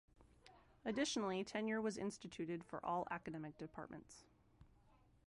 Additionally, tenure was instituted for all academic departments.